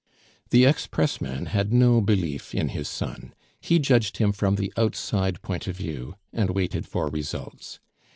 The ex pressman had no belief in his son; he judged him from the outside point of view, and waited for results.